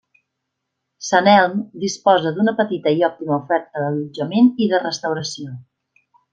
Sant Elm disposa d'una petita i òptima oferta d'allotjament i de restauració.